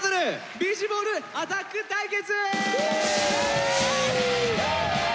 「ビーチボールアタック対決！」。